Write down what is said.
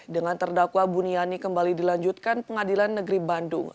dengan terdakwa buniani kembali dilanjutkan pengadilan negeri bandung